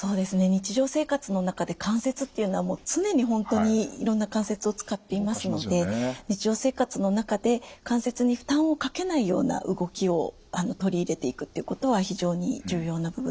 日常生活の中で関節っていうのはもう常に本当にいろんな関節を使っていますので日常生活の中で関節に負担をかけないような動きを取り入れていくっていうことは非常に重要な部分になります。